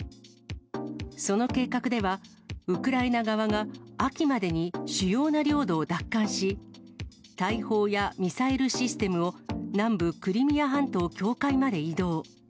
その計画では、ウクライナ側が、秋までに主要な領土を奪還し、大砲やミサイルシステムを南部クリミア半島境界まで移動。